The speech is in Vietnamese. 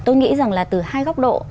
tôi nghĩ rằng là từ hai góc độ